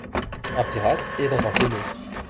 Un pirate est dans un tonneau.